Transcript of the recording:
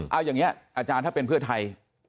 เอาอย่างนี้อาจารย์ถ้าเป็นเพื่อไทย